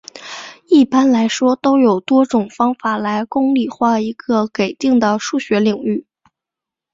一般来说都有多种方法来公理化一个给定的数学领域。